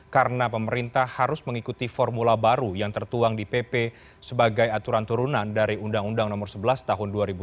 karena pemerintah harus mengikuti formula baru yang tertuang di pp sebagai aturan turunan dari undang undang nomor sebelas tahun dua ribu dua puluh